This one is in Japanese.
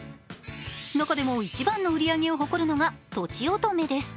中でも一番の売り上げを誇るのがとちおとめです。